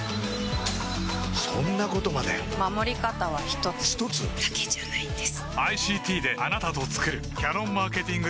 そんなことまで守り方は一つ一つ？だけじゃないんです